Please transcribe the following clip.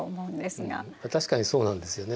確かにそうなんですよね。